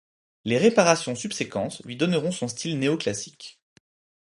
Les réparations subséquentes lui donneront son style néoclassique.